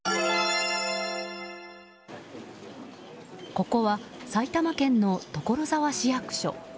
ここは埼玉県の所沢市役所。